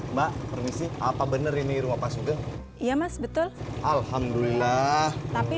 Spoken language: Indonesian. mbak permisi apa bener ini rumah pas juga iya mas betul alhamdulillah tapi